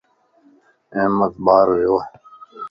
احمد بار ويووَ